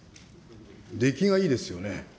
できがいいですよね。